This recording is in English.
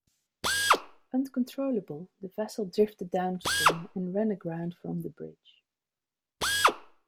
Uncontrollable, the vessel drifted downstream and ran aground from the bridge.